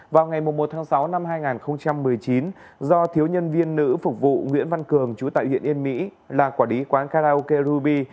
vào ngày một mươi một tháng sáu năm hai nghìn một mươi chín do thiếu nhân viên nữ phục vụ nguyễn văn cường chú tại huyện yên mỹ là quả đí quán karaoke ruby